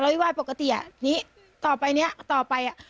ว่าปกตินี้ต่อไปนี้ต่อไป